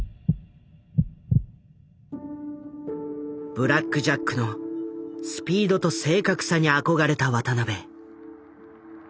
ブラック・ジャックのスピードと正確さに憧れた渡邊。